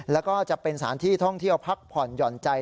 แล้วก็จะเป็นสถานที่ท่องเที่ยวพักผ่อนหย่อนใจ